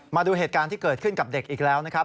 มาดูเหตุการณ์ที่เกิดขึ้นกับเด็กอีกแล้วนะครับ